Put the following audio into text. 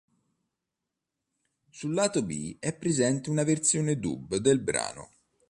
Sul lato b è presente una versione Dub del brano.